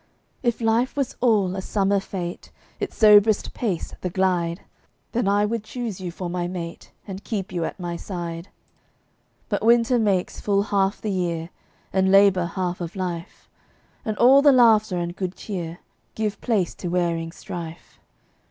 If life was all a summer fete, Its soberest pace the "glide," Then I would choose you for my mate, And keep you at my side. But winter makes full half the year, And labor half of life, And all the laughter and good cheer Give place to wearing strife.